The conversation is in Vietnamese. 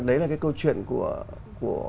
đấy là cái câu chuyện của